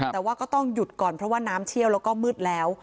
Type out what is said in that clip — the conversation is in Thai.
แต่ว่าก็ต้องหยุดก่อนเพราะว่าน้ำเชี่ยวแล้วก็มืดแล้ว